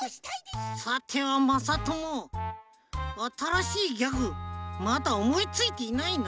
さてはまさともあたらしいギャグまだおもいついていないな。